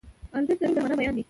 ارزښت د روح د مانا بیان دی.